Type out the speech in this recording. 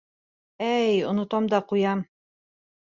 Әй, онотам да ҡуям.